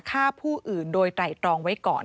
ฆ่าผู้อื่นโดยไตรตรองไว้ก่อน